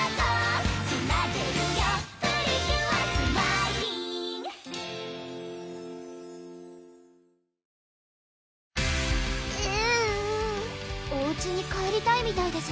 えるぅおうちに帰りたいみたいです